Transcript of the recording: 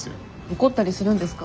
怒ったりするんですか？